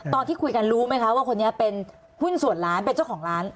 ตอนที่คุยกันรู้ไหมคะว่าคนนี้เป็นหุ้นส่วนร้านเป็นเจ้าของร้าน